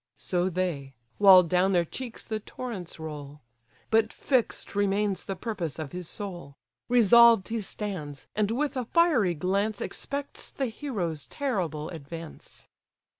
So they, while down their cheeks the torrents roll; But fix'd remains the purpose of his soul; Resolved he stands, and with a fiery glance Expects the hero's terrible advance.